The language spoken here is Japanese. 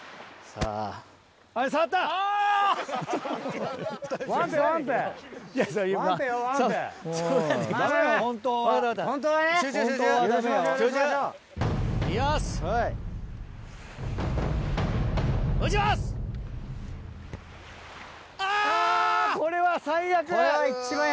あぁこれは最悪。